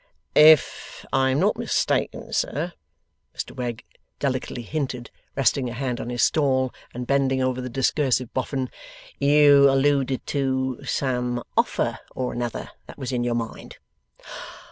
'If I am not mistaken, sir,' Mr Wegg delicately hinted, resting a hand on his stall, and bending over the discursive Boffin, 'you alluded to some offer or another that was in your mind?